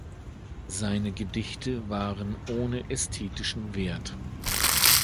Seine Gedichte waren ohne ästhetischen Wert.